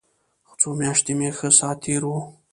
څو مياشتې مې ښه ساعت تېر و.